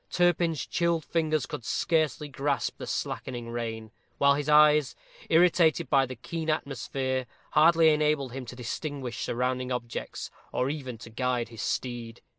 Turpin's chilled fingers could scarcely grasp the slackening rein, while his eyes, irritated by the keen atmosphere, hardly enabled him to distinguish surrounding objects, or even to guide his steed.